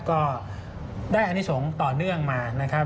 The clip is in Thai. ก็ได้อนิสงฆ์ต่อเนื่องมานะครับ